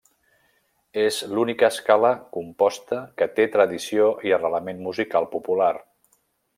És l'única escala composta que té tradició i arrelament musical popular.